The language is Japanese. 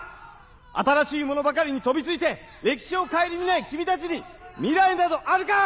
新しいものばかりに飛びついて歴史を顧みない君たちに未来などあるか！